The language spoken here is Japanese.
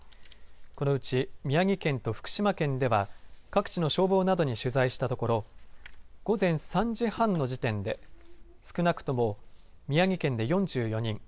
このうち宮城県と福島県では各地の消防などに取材したところ午前３時半の時点で少なくとも宮城県で４４人